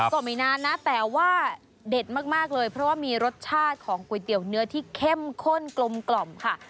ก็ไม่นานนะแต่ว่าเด็ดมากเลยเพราะว่ามีรสชาติของก๋วยเตี๋ยวเนื้อที่เข้มข้นกลมกล่อมค่ะ